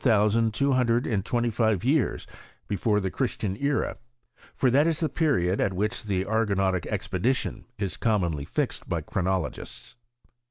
5 sand two hundred and twenty five years before tke Christian era : for that is the period at which the Ar* gonautic expedition is commonly fixed by chronolo gists.